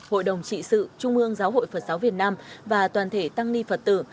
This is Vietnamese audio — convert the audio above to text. hội đồng trị sự trung ương giáo hội phật giáo việt nam và toàn thể tăng ni phật tử